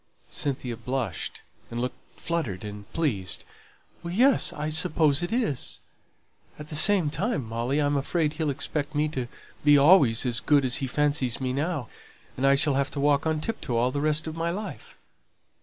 Cynthia blushed, and looked fluttered and pleased. "Yes, I suppose it is. At the same time, Molly, I'm afraid he'll expect me to be always as good as he fancies me now, and I shall have to walk on tiptoe all the rest of my life."